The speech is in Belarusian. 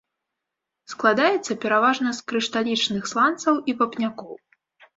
Складаецца пераважна з крышталічных сланцаў і вапнякоў.